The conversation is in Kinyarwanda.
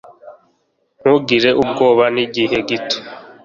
Ntugire ubwoba Nigihe gito